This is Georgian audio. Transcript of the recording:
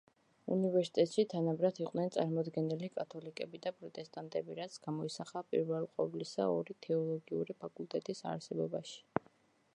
უნივერსიტეტში თანაბრად იყვნენ წარმოდგენილნი კათოლიკები და პროტესტანტები, რაც გამოისახა პირველყოვლისა ორი თეოლოგიური ფაკულტეტის არსებობაში.